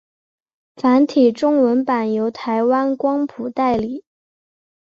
繁体中文版由台湾光谱代理。